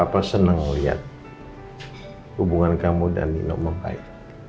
papa seneng liat hubungan kamu dan nino membaik